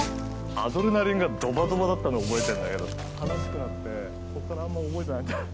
アドレナリンがドバドバだったの覚えてるんだけど楽しくなってそこからあんまり覚えてないんだよ。